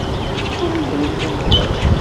Tettumt idrimen-nkent?